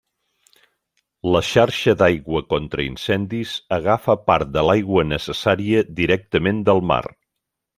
La xarxa d'aigua contra incendis agafa part de l'aigua necessària directament del mar.